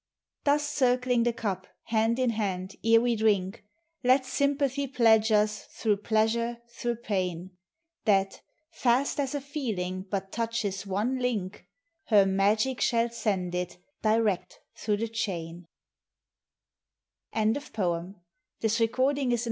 Thus circling the cup, hand in hand, ere we drink, Let Sympathy pledge us, through pleasure, through pain, That, fast as a feeling but touches one link, Uer magic shall send it direct through the chain.